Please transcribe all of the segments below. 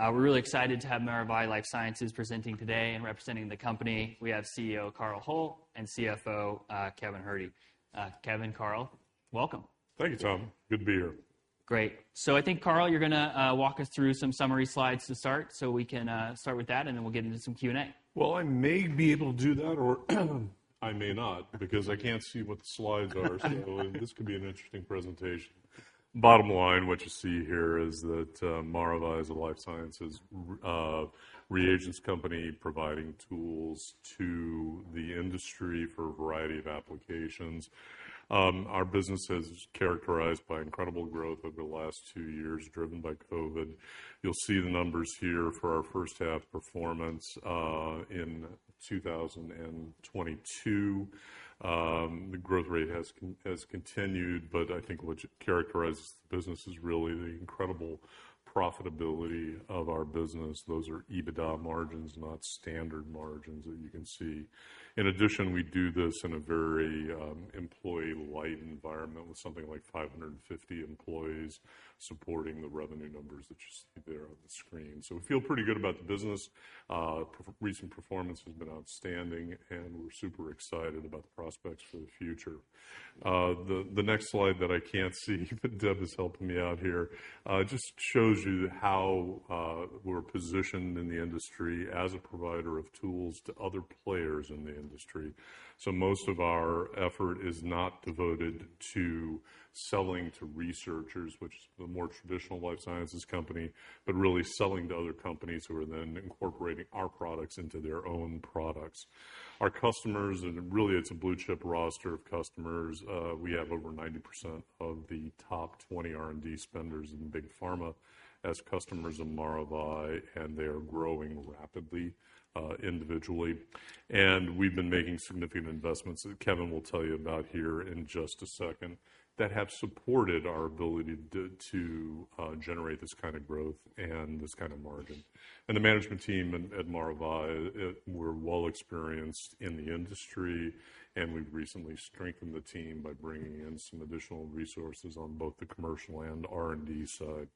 We're really excited to have Maravai LifeSciences presenting today, and representing the company, we have CEO Carl Hull and CFO Kevin Herde. Kevin, Carl, welcome. Thank you, Tom. Good to be here. Great. I think, Carl, you're gonna walk us through some summary slides to start so we can start with that, and then we'll get into some Q&A. Well, I may be able to do that, or I may not, because I can't see what the slides are. This could be an interesting presentation. Bottom line, what you see here is that, Maravai is a life sciences reagents company providing tools to the industry for a variety of applications. Our business is characterized by incredible growth over the last two years, driven by COVID. You'll see the numbers here for our first half performance in 2022. The growth rate has continued, but I think what characterizes the business is really the incredible profitability of our business. Those are EBITDA margins, not standard margins that you can see. In addition, we do this in a very employee-light environment with something like 550 employees supporting the revenue numbers that you see there on the screen. We feel pretty good about the business. Recent performance has been outstanding, and we're super excited about the prospects for the future. The next slide that I can't see, but Deb is helping me out here, just shows you how we're positioned in the industry as a provider of tools to other players in the industry. Most of our effort is not devoted to selling to researchers, which is the more traditional life sciences company, but really selling to other companies who are then incorporating our products into their own products. Our customers, and really it's a blue-chip roster of customers, we have over 90% of the top 20 R&D spenders in big pharma as customers of Maravai, and they are growing rapidly, individually. We've been making significant investments that Kevin will tell you about here in just a second, that have supported our ability to generate this kind of growth and this kind of margin. The management team at Maravai, we're well experienced in the industry, and we've recently strengthened the team by bringing in some additional resources on both the commercial and R&D side.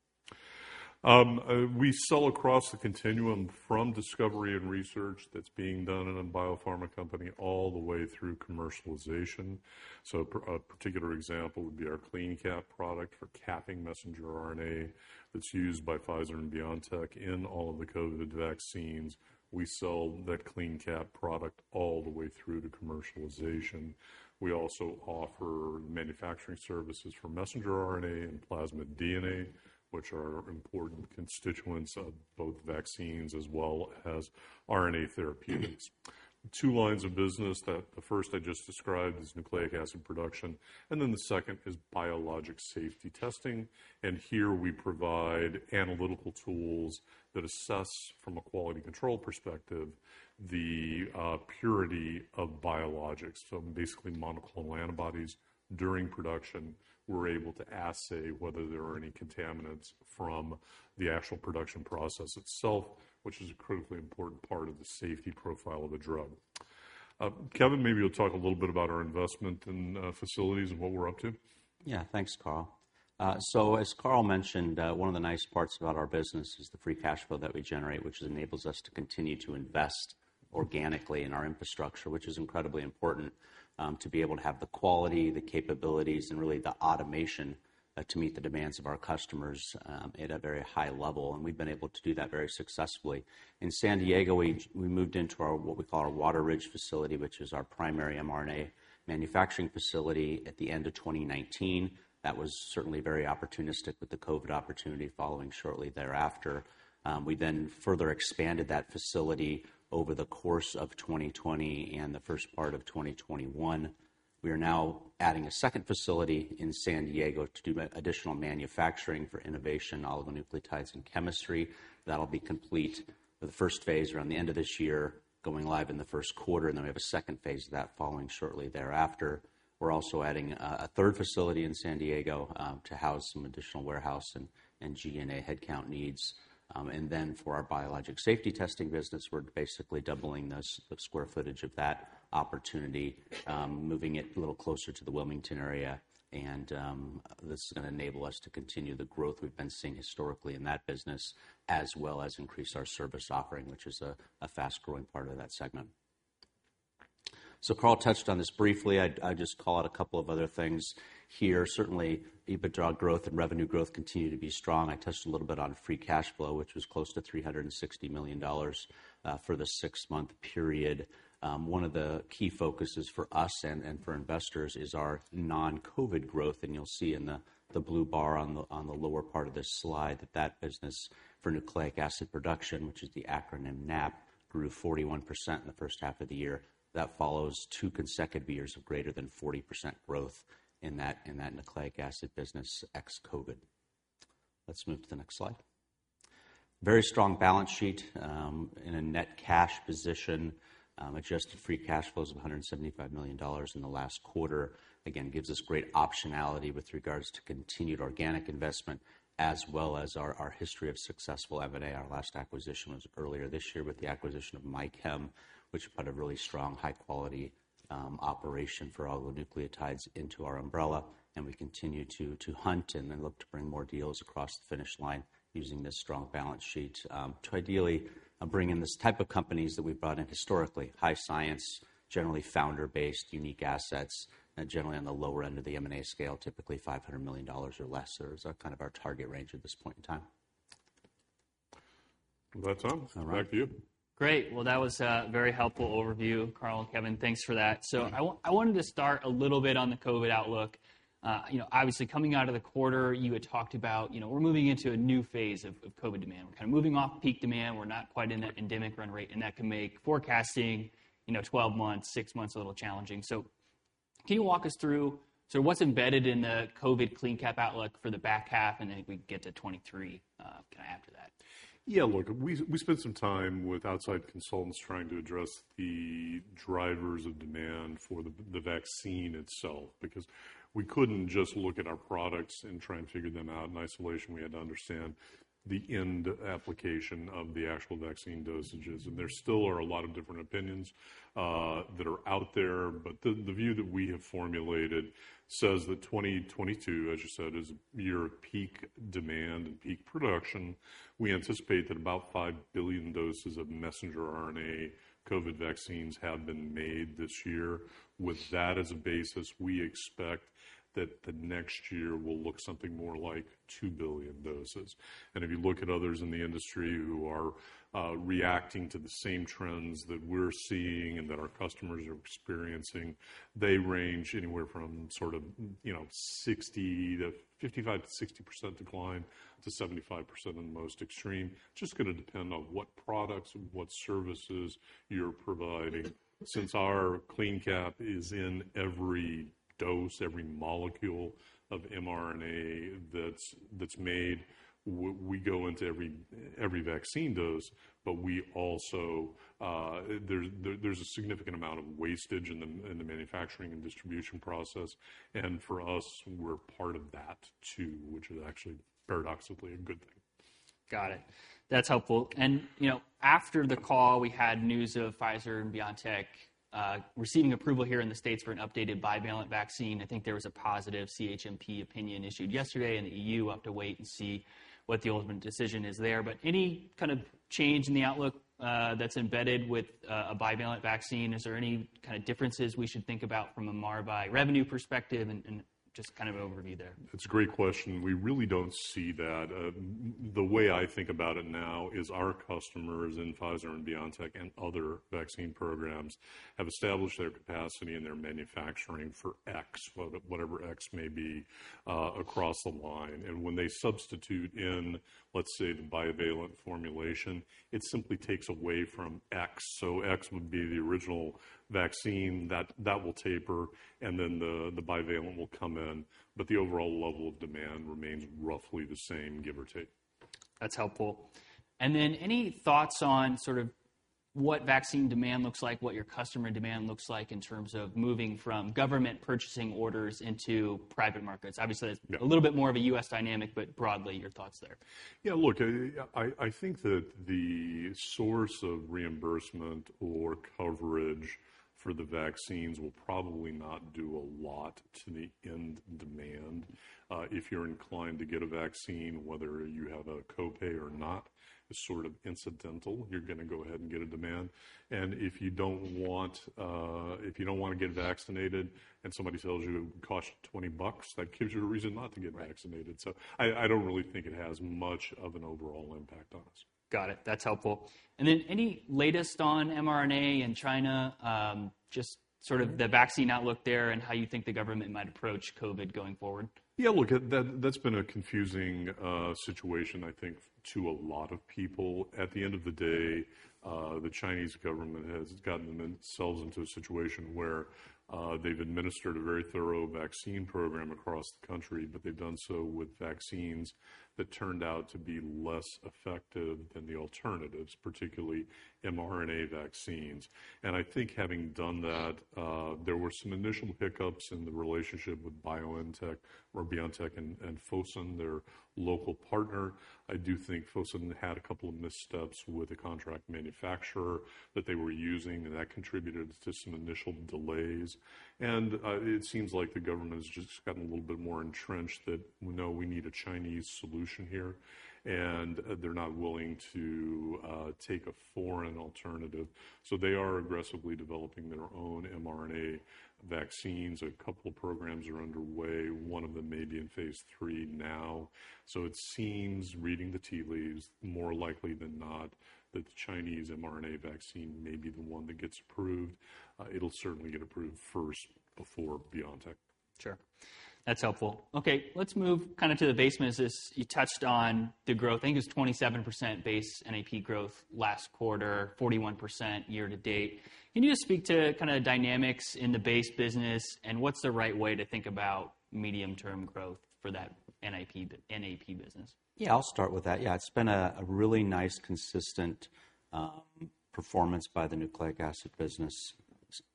We sell across the continuum from discovery and research that's being done in a biopharma company all the way through commercialization. A particular example would be our CleanCap product for capping messenger RNA that's used by Pfizer and BioNTech in all of the COVID vaccines. We sell that CleanCap product all the way through to commercialization. We also offer manufacturing services for messenger RNA and plasmid DNA, which are important constituents of both vaccines as well as RNA therapeutics. Two lines of business. The first I just described is nucleic acid production, and then the second is biologics safety testing. Here we provide analytical tools that assess, from a quality control perspective, the purity of biologics. Basically, monoclonal antibodies during production, we're able to assay whether there are any contaminants from the actual production process itself, which is a critically important part of the safety profile of a drug. Kevin, maybe you'll talk a little bit about our investment in facilities and what we're up to. Yeah. Thanks, Carl. So as Carl mentioned, one of the nice parts about our business is the free cash flow that we generate, which enables us to continue to invest organically in our infrastructure, which is incredibly important to be able to have the quality, the capabilities, and really the automation to meet the demands of our customers at a very high level. We've been able to do that very successfully. In San Diego, we moved into our what we call our Water Ridge facility, which is our primary mRNA manufacturing facility at the end of 2019. That was certainly very opportunistic with the COVID opportunity following shortly thereafter. We then further expanded that facility over the course of 2020 and the first part of 2021. We are now adding a second facility in San Diego to do additional manufacturing for innovative oligonucleotides and chemistry. That'll be complete with the phase I around the end of this year, going live in the first quarter, and then we have a phase II of that following shortly thereafter. We're also adding a third facility in San Diego to house some additional warehouse and G&A headcount needs. For our biologics safety testing business, we're basically doubling the square footage of that opportunity, moving it a little closer to the Wilmington area. This is gonna enable us to continue the growth we've been seeing historically in that business, as well as increase our service offering, which is a fast-growing part of that segment. Carl touched on this briefly. I'd just call out a couple of other things here. Certainly, EBITDA growth and revenue growth continue to be strong. I touched a little bit on free cash flow, which was close to $360 million for the six-month period. One of the key focuses for us and for investors is our non-COVID growth, and you'll see in the blue bar on the lower part of this slide that business for nucleic acid production, which is the acronym NAP, grew 41% in the first half of the year. That follows two consecutive years of greater than 40% growth in that nucleic acid business ex-COVID. Let's move to the next slide. Very strong balance sheet in a net cash position. Adjusted free cash flows of $175 million in the last quarter, again, gives us great optionality with regards to continued organic investment, as well as our history of successful M&A. Our last acquisition was earlier this year with the acquisition of MyChem, which put a really strong high-quality operation for oligonucleotides into our umbrella. We continue to hunt and then look to bring more deals across the finish line using this strong balance sheet, to ideally bring in this type of companies that we've brought in historically. High science, generally founder-based, unique assets, generally on the lower end of the M&A scale, typically $500 million or less is kind of our target range at this point in time. That's all. All right. Back to you. Great. Well, that was a very helpful overview, Carl and Kevin. Thanks for that. I wanted to start a little bit on the COVID outlook. You know, obviously coming out of the quarter, you had talked about, you know, we're moving into a new phase of COVID demand. We're kind of moving off peak demand. We're not quite in that endemic run rate, and that can make forecasting, you know, 12 months, six months, a little challenging. Can you walk us through, sort of what's embedded in the COVID CleanCap outlook for the back half, and then we can get to 2023, kinda after that? Yeah. Look, we spent some time with outside consultants trying to address the drivers of demand for the vaccine itself, because we couldn't just look at our products and try and figure them out in isolation. We had to understand the end application of the actual vaccine dosages. There still are a lot of different opinions that are out there. The view that we have formulated says that 2022, as you said, is a year of peak demand and peak production. We anticipate that about 5 billion doses of messenger RNA COVID vaccines have been made this year. With that as a basis, we expect that the next year will look something more like 2 billion doses. If you look at others in the industry who are reacting to the same trends that we're seeing and that our customers are experiencing, they range anywhere from sort of, you know, 55%-60% decline to 75% on the most extreme. Just gonna depend on what products and what services you're providing. Since our CleanCap is in every dose, every molecule of mRNA that's made, we go into every vaccine dose, but we also, there's a significant amount of wastage in the manufacturing and distribution process. For us, we're part of that too, which is actually paradoxically a good thing. Got it. That's helpful. You know, after the call, we had news of Pfizer and BioNTech receiving approval here in the States for an updated bivalent vaccine. I think there was a positive CHMP opinion issued yesterday, and the E.U. will have to wait and see what the ultimate decision is there. Any kind of change in the outlook that's embedded with a bivalent vaccine? Is there any kind of differences we should think about from a Maravai revenue perspective and just kind of an overview there? It's a great question. We really don't see that. The way I think about it now is our customers in Pfizer and BioNTech and other vaccine programs have established their capacity and their manufacturing for X, whatever X may be, across the line. When they substitute in, let's say, the bivalent formulation, it simply takes away from X. X would be the original vaccine that will taper, and then the bivalent will come in, but the overall level of demand remains roughly the same, give or take. That's helpful. Any thoughts on sort of what vaccine demand looks like, what your customer demand looks like in terms of moving from government purchasing orders into private markets? Yeah. A little bit more of a U.S. dynamic, but broadly, your thoughts there. Yeah. Look, I think that the source of reimbursement or coverage for the vaccines will probably not do a lot to the end demand. If you're inclined to get a vaccine, whether you have a copay or not is sort of incidental. You're gonna go ahead and get it. If you don't want, if you don't wanna get vaccinated and somebody tells you it would cost you $20, that gives you a reason not to get vaccinated. Right. I don't really think it has much of an overall impact on us. Got it. That's helpful. Any latest on mRNA in China? Just sort of the vaccine outlook there and how you think the government might approach COVID going forward? Look, that's been a confusing situation, I think, to a lot of people. At the end of the day, the Chinese government has gotten themselves into a situation where they've administered a very thorough vaccine program across the country, but they've done so with vaccines that turned out to be less effective than the alternatives, particularly mRNA vaccines. I think having done that, there were some initial hiccups in the relationship with BioNTech and Fosun, their local partner. I do think Fosun had a couple of missteps with a contract manufacturer that they were using, and that contributed to some initial delays. It seems like the government has just gotten a little bit more entrenched that, no, we need a Chinese solution here, and they're not willing to take a foreign alternative. They are aggressively developing their own mRNA vaccines. A couple of programs are underway. One of them may be in phase III now. It seems, reading the tea leaves, more likely than not, that the Chinese mRNA vaccine may be the one that gets approved. It'll certainly get approved first before BioNTech. Sure. That's helpful. Okay, let's move kinda to the base business. You touched on the growth. I think it was 27% base NAP growth last quarter, 41% year to date. Can you just speak to kinda the dynamics in the base business and what's the right way to think about medium-term growth for that base NAP business? Yeah, I'll start with that. Yeah, it's been a really nice, consistent performance by the nucleic acid business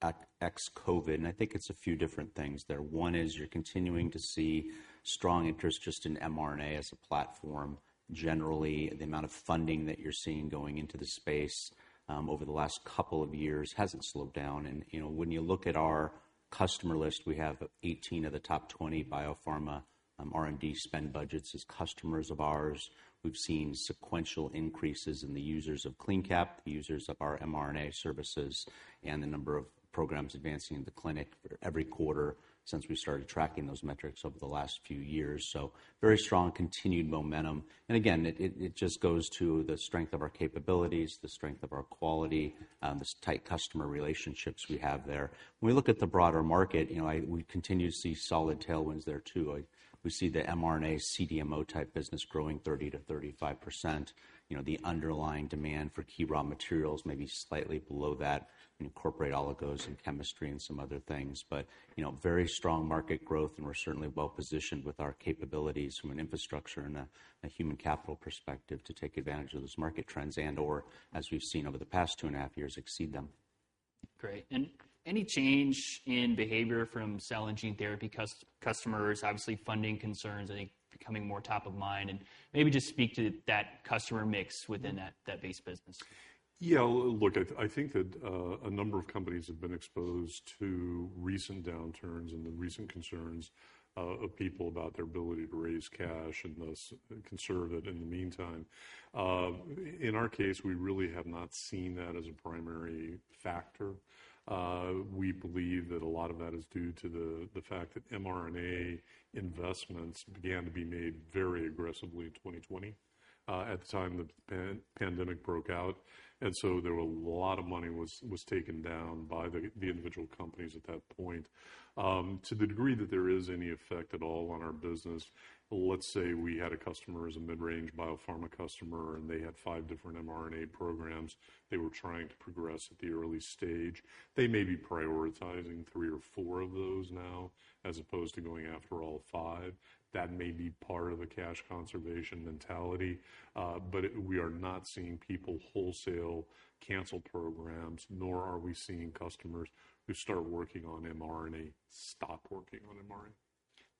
at ex COVID, and I think it's a few different things there. One is you're continuing to see strong interest just in mRNA as a platform. Generally, the amount of funding that you're seeing going into the space over the last couple of years hasn't slowed down. And, you know, when you look at our customer list, we have 18 of the top 20 biopharma R&D spend budgets as customers of ours. We've seen sequential increases in the users of CleanCap, the users of our mRNA services, and the number of programs advancing in the clinic for every quarter since we started tracking those metrics over the last few years. Very strong continued momentum. It just goes to the strength of our capabilities, the strength of our quality, the tight customer relationships we have there. When we look at the broader market, you know, we continue to see solid tailwinds there too. Like, we see the mRNA CDMO type business growing 30%-35%. You know, the underlying demand for key raw materials may be slightly below that when you incorporate all of those in chemistry and some other things. You know, very strong market growth, and we're certainly well-positioned with our capabilities from an infrastructure and a human capital perspective to take advantage of those market trends and/or, as we've seen over the past 2.5 years, exceed them. Great. Any change in behavior from cell and gene therapy customers, obviously funding concerns, I think, becoming more top of mind, and maybe just speak to that customer mix within that base business. Yeah. Look, I think that a number of companies have been exposed to recent downturns and the recent concerns of people about their ability to raise cash and thus conserve it in the meantime. In our case, we really have not seen that as a primary factor. We believe that a lot of that is due to the fact that mRNA investments began to be made very aggressively in 2020 at the time the pandemic broke out. There were a lot of money was taken down by the individual companies at that point. To the degree that there is any effect at all on our business, let's say we had a customer as a mid-range biopharma customer, and they had five different mRNA programs they were trying to progress at the early stage. They may be prioritizing three or four of those now as opposed to going after all five. That may be part of the cash conservation mentality, but we are not seeing people wholesale cancel programs, nor are we seeing customers who start working on mRNA stop working on mRNA.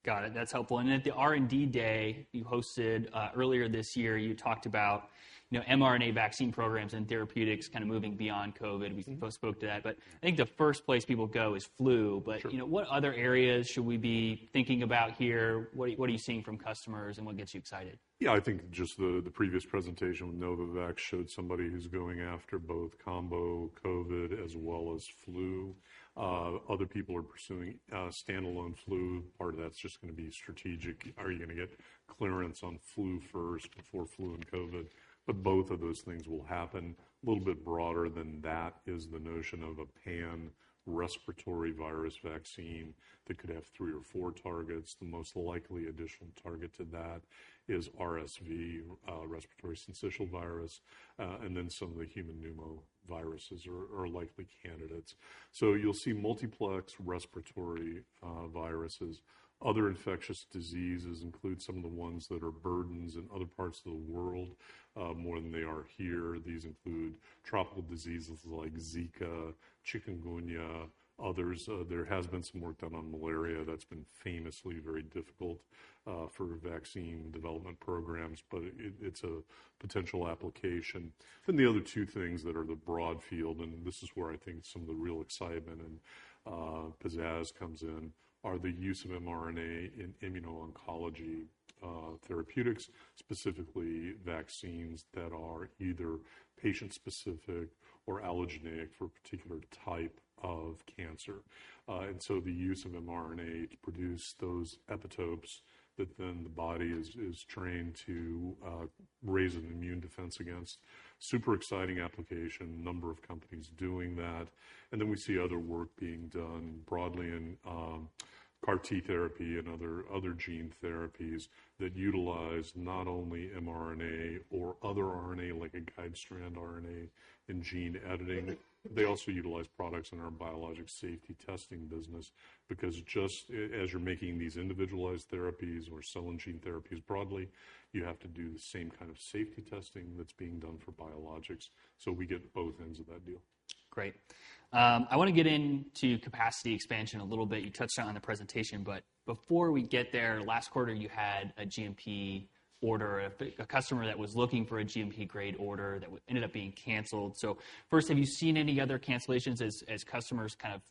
Got it. That's helpful. At the R&D day you hosted earlier this year, you talked about, you know, mRNA vaccine programs and therapeutics kind of moving beyond COVID. Mm-hmm. We spoke to that, but I think the first place people go is flu. Sure. you know, what other areas should we be thinking about here? What are you seeing from customers, and what gets you excited? Yeah, I think just the previous presentation with Novavax showed somebody who's going after both combo COVID as well as flu. Other people are pursuing standalone flu. Part of that's just gonna be strategic. Are you gonna get clearance on flu first before flu and COVID? Both of those things will happen. A little bit broader than that is the notion of a pan-respiratory virus vaccine that could have three or four targets. The most likely additional target to that is RSV, respiratory syncytial virus, and then some of the human pneumoviruses are likely candidates. So you'll see multiplex respiratory viruses. Other infectious diseases include some of the ones that are burdens in other parts of the world, more than they are here. These include tropical diseases like Zika, Chikungunya, others. There has been some work done on malaria that's been famously very difficult for vaccine development programs, but it's a potential application. The other two things that are the broad field, and this is where I think some of the real excitement and pizzazz comes in, are the use of mRNA in immuno-oncology therapeutics, specifically vaccines that are either patient specific or allogeneic for a particular type of cancer. The use of mRNA to produce those epitopes that then the body is trained to raise an immune defense against. Super exciting application, a number of companies doing that. We see other work being done broadly in CAR T therapy and other gene therapies that utilize not only mRNA or other RNA like a guide strand RNA in gene editing. They also utilize products in our biologics safety testing business because just as you're making these individualized therapies or cell and gene therapies broadly, you have to do the same kind of safety testing that's being done for biologics. We get both ends of that deal. Great. I wanna get into capacity expansion a little bit. You touched on it in the presentation, but before we get there, last quarter you had a GMP order, a customer that was looking for a GMP grade order that ended up being canceled. So first, have you seen any other cancellations as customers kind of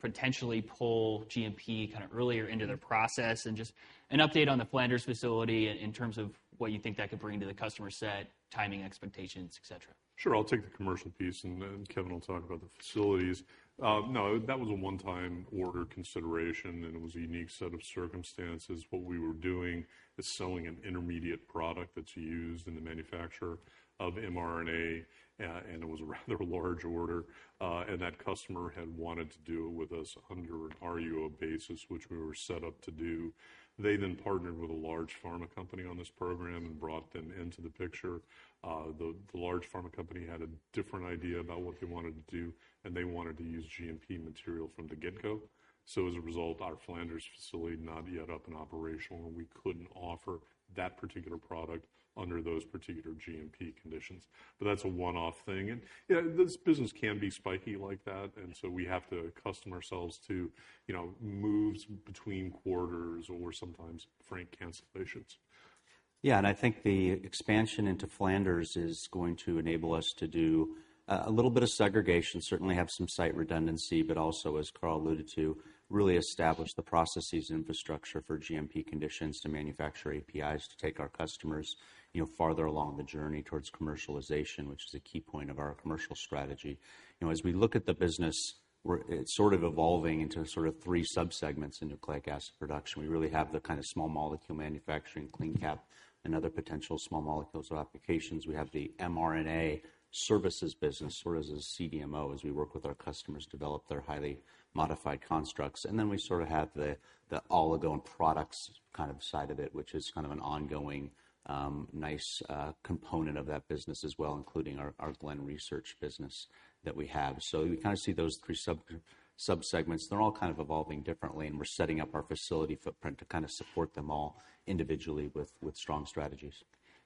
potentially pull GMP kind of earlier into their process? Just an update on the Flanders facility in terms of what you think that could bring to the customer set, timing, expectations, et cetera? Sure. I'll take the commercial piece, and then Kevin will talk about the facilities. No, that was a one-time order consideration, and it was a unique set of circumstances. What we were doing is selling an intermediate product that's used in the manufacture of mRNA, and it was a rather large order. That customer had wanted to do it with us under an RUO basis, which we were set up to do. They then partnered with a large pharma company on this program and brought them into the picture. The large pharma company had a different idea about what they wanted to do, and they wanted to use GMP material from the get-go. As a result, our Flanders facility not yet up and operational, and we couldn't offer that particular product under those particular GMP conditions. That's a one-off thing. You know, this business can be spiky like that, and so we have to accustom ourselves to, you know, moves between quarters or sometimes frank cancellations. Yeah, I think the expansion into Flanders is going to enable us to do a little bit of segregation, certainly have some site redundancy, but also, as Carl alluded to, really establish the process infrastructure for GMP conditions to manufacture APIs to take our customers, you know, farther along the journey towards commercialization, which is a key point of our commercial strategy. You know, as we look at the business, it's sort of evolving into sort of three sub-segments in nucleic acid production. We really have the kind of small molecule manufacturing, CleanCap, and other potential small molecules or applications. We have the mRNA services business or as a CDMO, as we work with our customers develop their highly modified constructs. We sort of have the oligo and products kind of side of it, which is kind of an ongoing nice component of that business as well, including our Glen Research business that we have. We kinda see those three sub-segments. They're all kind of evolving differently, and we're setting up our facility footprint to kind of support them all individually with strong strategies.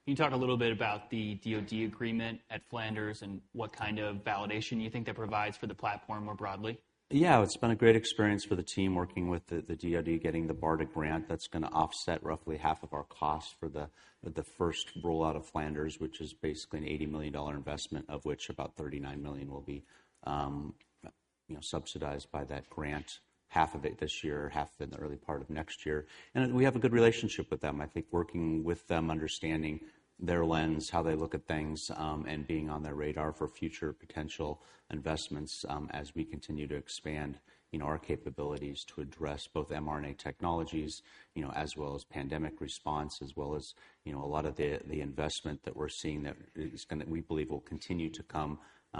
Can you talk a little bit about the DoD agreement at TriLink and what kind of validation you think that provides for the platform more broadly? Yeah. It's been a great experience for the team working with the DoD, getting the BARDA grant that's gonna offset roughly half of our costs for the first rollout of Flanders, which is basically an $80 million investment, of which about $39 million will be, you know, subsidized by that grant, half of it this year, half in the early part of next year. We have a good relationship with them. I think working with them, understanding their lens, how they look at things, and being on their radar for future potential investments, as we continue to expand, you know, our capabilities to address both mRNA technologies, you know, as well as pandemic response, as well as, you know, a lot of the investment that we're seeing that we believe will continue to come,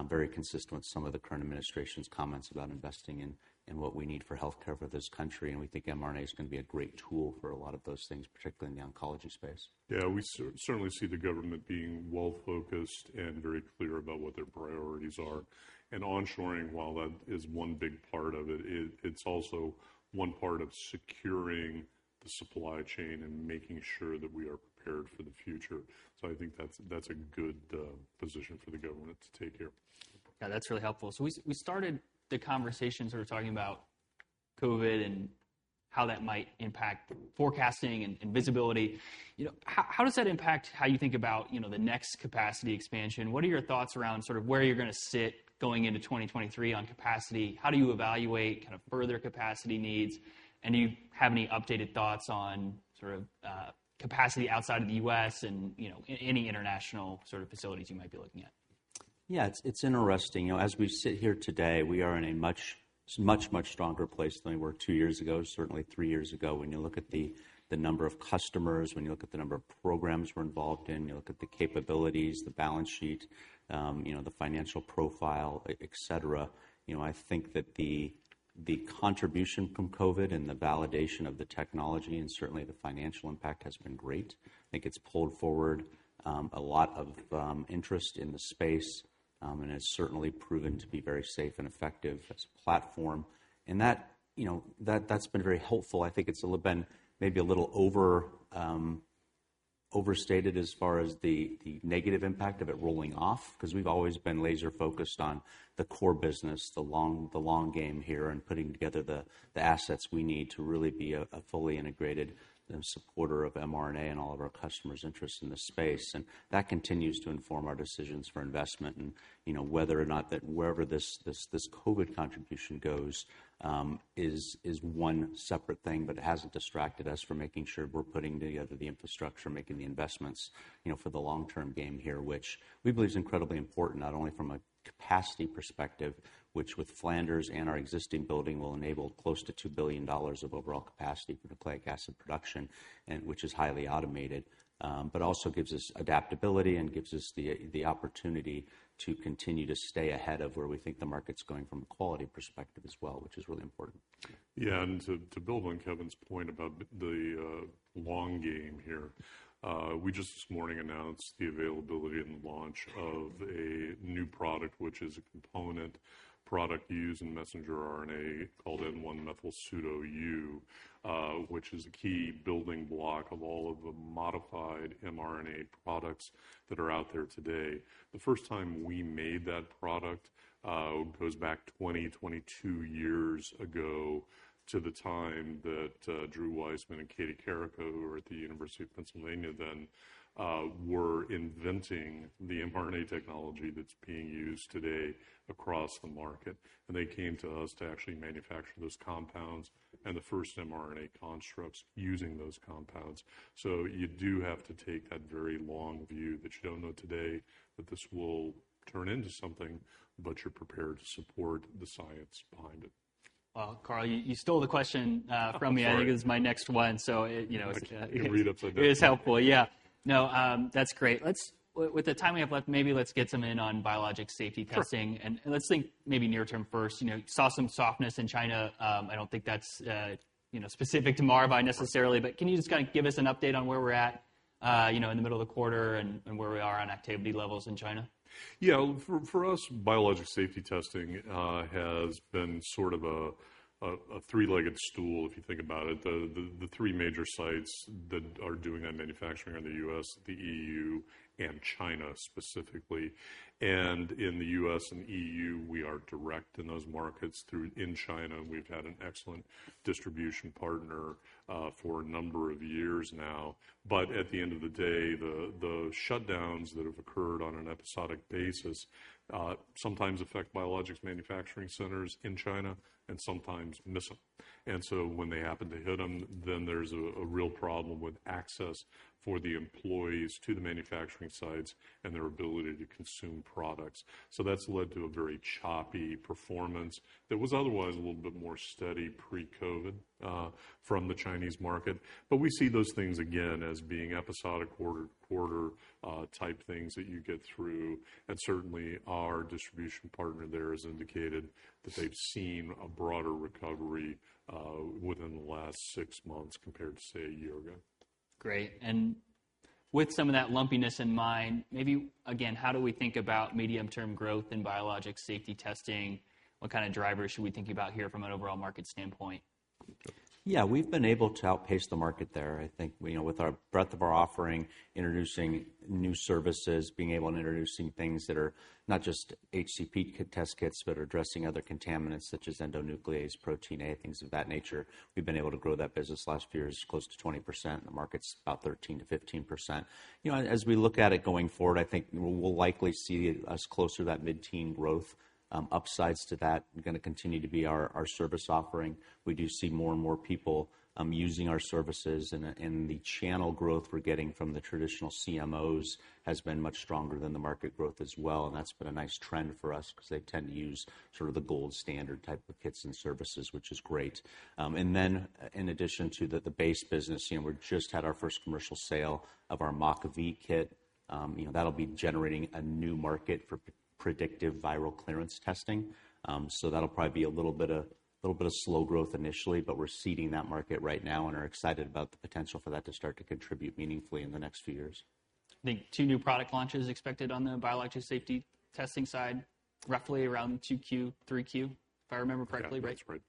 very consistent with some of the current administration's comments about investing in what we need for healthcare for this country. We think mRNA is gonna be a great tool for a lot of those things, particularly in the oncology space. Yeah, we certainly see the government being well-focused and very clear about what their priorities are. Onshoring, while that is one big part of it, it's also one part of securing the supply chain and making sure that we are prepared for the future. I think that's a good position for the government to take here. Yeah, that's really helpful. We started the conversation sort of talking about COVID and how that might impact forecasting and visibility. You know, how does that impact how you think about, you know, the next capacity expansion? What are your thoughts around sort of where you're gonna sit going into 2023 on capacity? How do you evaluate kind of further capacity needs? And do you have any updated thoughts on sort of capacity outside of the U.S. and, you know, any international sort of facilities you might be looking at? Yeah, it's interesting, you know. As we sit here today, we are in a much stronger place than we were two years ago, certainly three years ago. When you look at the number of customers, when you look at the number of programs we're involved in, you look at the capabilities, the balance sheet, you know, the financial profile, et cetera. You know, I think that the contribution from COVID and the validation of the technology and certainly the financial impact has been great. I think it's pulled forward a lot of interest in the space and has certainly proven to be very safe and effective as a platform. That, you know, that's been very helpful. I think it's a little bit maybe a little over overstated as far as the negative impact of it rolling off, 'cause we've always been laser focused on the core business, the long game here, and putting together the assets we need to really be a fully integrated supporter of mRNA and all of our customers' interests in this space. That continues to inform our decisions for investment. You know, whether or not that wherever this COVID contribution goes, is one separate thing, but it hasn't distracted us from making sure we're putting together the infrastructure, making the investments, you know, for the long-term game here, which we believe is incredibly important, not only from a capacity perspective, which with Flanders and our existing building will enable close to $2 billion of overall capacity for nucleic acid production, and which is highly automated, but also gives us adaptability and gives us the opportunity to continue to stay ahead of where we think the market's going from a quality perspective as well, which is really important. Yeah. To build on Kevin's point about the long game here, we just this morning announced the availability and launch of a new product, which is a component product used in messenger RNA called N1-methylpseudouridine, which is a key building block of all of the modified mRNA products that are out there today. The first time we made that product goes back 22 years ago to the time that Drew Weissman and Katalin Karikó, who were at the University of Pennsylvania then, were inventing the mRNA technology that's being used today across the market. They came to us to actually manufacture those compounds and the first mRNA constructs using those compounds. You do have to take that very long view that you don't know today that this will turn into something, but you're prepared to support the science behind it. Well, Carl, you stole the question from me. Sorry. I think it was my next one. You know, it's I can read up to that point. It is helpful, yeah. No, that's great. With the time we have left, maybe let's get some in on biologics safety testing. Sure. Let's think maybe near term first. You know, saw some softness in China. I don't think that's, you know, specific to Maravai necessarily, but can you just kinda give us an update on where we're at? You know, in the middle of the quarter and where we are on activity levels in China. Yeah. For us, biologics safety testing has been sort of a three-legged stool, if you think about it. The three major sites that are doing that manufacturing are the U.S., the E.U., and China specifically. In the U.S. and E.U., we are direct in those markets through. In China, we've had an excellent distribution partner for a number of years now. At the end of the day, the shutdowns that have occurred on an episodic basis sometimes affect biologics manufacturing centers in China and sometimes miss them. When they happen to hit them, then there's a real problem with access for the employees to the manufacturing sites and their ability to consume products. That's led to a very choppy performance that was otherwise a little bit more steady pre-COVID from the Chinese market. We see those things again as being episodic quarter, type things that you get through. Certainly, our distribution partner there has indicated that they've seen a broader recovery, within the last six months compared to, say, a year ago. Great. With some of that lumpiness in mind, maybe again, how do we think about medium-term growth in biologics safety testing? What kind of drivers should we think about here from an overall market standpoint? Yeah. We've been able to outpace the market there. I think, you know, with our breadth of our offering, introducing new services, being able and introducing things that are not just HCP test kits, but are addressing other contaminants such as endonuclease, Protein A, things of that nature. We've been able to grow that business last few years close to 20%. The market's about 13%-15%. You know, as we look at it going forward, I think we'll likely see us closer to that mid-teen growth, upsides to that gonna continue to be our service offering. We do see more and more people using our services and the channel growth we're getting from the traditional CMOs has been much stronger than the market growth as well, and that's been a nice trend for us 'cause they tend to use sort of the gold standard type of kits and services, which is great. In addition to the base business, you know, we just had our first commercial sale of our MockV kit. You know, that'll be generating a new market for predictive viral clearance testing. That'll probably be a little bit of slow growth initially, but we're seeding that market right now and are excited about the potential for that to start to contribute meaningfully in the next few years. I think two new product launches expected on the biologics safety testing side, roughly around 2Q, 3Q, if I remember correctly, right? That's right.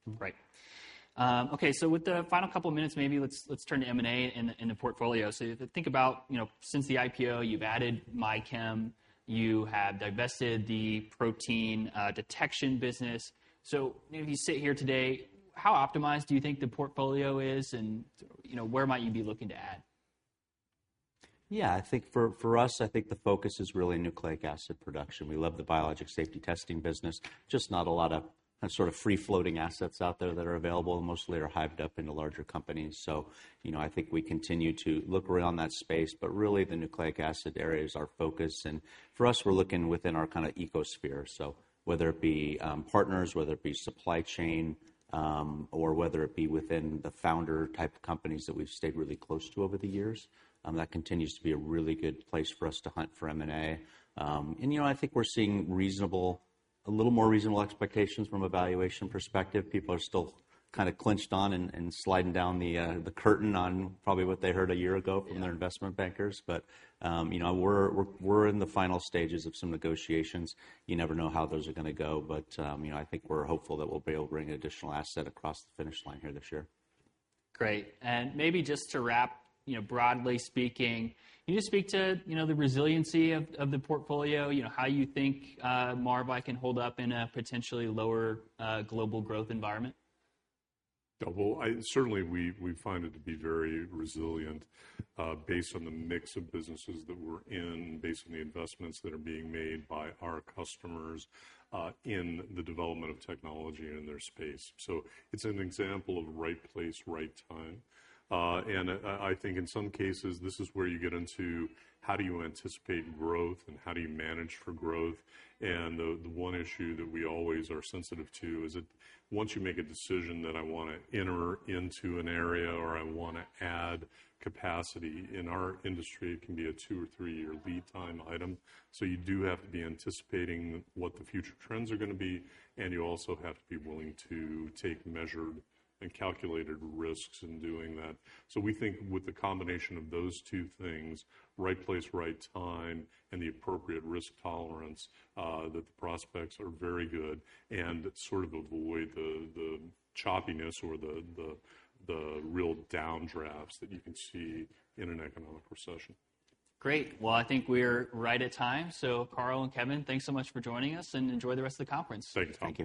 Right. Okay, with the final couple of minutes, maybe let's turn to M&A in the portfolio. Think about, you know, since the IPO, you've added MyChem, you have divested the protein detection business. If you sit here today, how optimized do you think the portfolio is, and, you know, where might you be looking to add? Yeah. I think for us, I think the focus is really nucleic acid production. We love the biologics safety testing business, just not a lot of sort of free floating assets out there that are available, mostly are hyped up into larger companies. You know, I think we continue to look around that space, but really the nucleic acid area is our focus. For us, we're looking within our kind of ecosphere. Whether it be partners, whether it be supply chain, or whether it be within the founder type companies that we've stayed really close to over the years, that continues to be a really good place for us to hunt for M&A. You know, I think we're seeing reasonable a little more reasonable expectations from a valuation perspective. People are still kind of clinging on and sliding down the curtain on probably what they heard a year ago from their investment bankers. You know, we're in the final stages of some negotiations. You never know how those are gonna go, but you know, I think we're hopeful that we'll be able to bring an additional asset across the finish line here this year. Great. Maybe just to wrap, you know, broadly speaking, can you just speak to, you know, the resiliency of the portfolio? You know, how you think, Maravai can hold up in a potentially lower global growth environment? Well, certainly, we find it to be very resilient, based on the mix of businesses that we're in, based on the investments that are being made by our customers, in the development of technology in their space. It's an example of right place, right time. I think in some cases, this is where you get into how do you anticipate growth and how do you manage for growth. The one issue that we always are sensitive to is that once you make a decision that I wanna enter into an area or I wanna add capacity, in our industry, it can be a two- or three-year lead time item. You do have to be anticipating what the future trends are gonna be, and you also have to be willing to take measured and calculated risks in doing that. We think with the combination of those two things, right place, right time, and the appropriate risk tolerance, that the prospects are very good and sort of avoid the choppiness or the real downdrafts that you can see in an economic recession. Great. Well, I think we're right at time. Carl and Kevin, thanks so much for joining us, and enjoy the rest of the conference. Thank you, Tom.